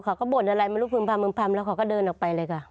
เขาก็บ่นอะไรมารูปพรรมแล้วเขาก็เดินออกไปเลยค่ะ